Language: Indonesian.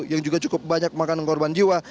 yang juga cukup banyak makanan korban jiwa